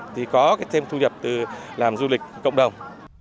thì có thêm thu nhập làm du lịch cộng đồng